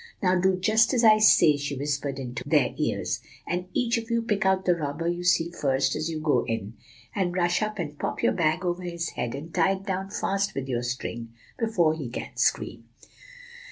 'Now, do just as I say,' she whispered into their ears, 'and each of you pick out the robber you see first, as you go in, and rush up and pop your bag over his head, and tie it down fast with your string, before he can scream.